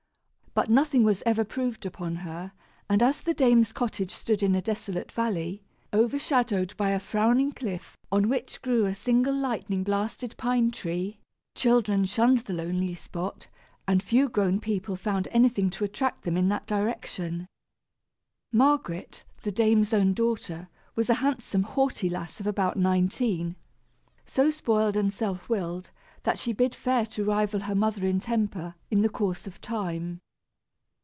But nothing was ever proved upon her, and as the dame's cottage stood in a desolate valley, overshadowed by a frowning cliff on which grew a single lightning blasted pine tree, children shunned the lonely spot, and few grown people found anything to attract them in that direction. Margaret, the dame's own daughter, was a handsome haughty lass of about nineteen, so spoiled and self willed that she bid fair to rival her mother in temper, in the course of time.